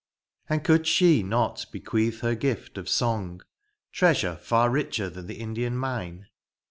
And could she not bequeath her gift of song,— Treasure far richer than the Indian mine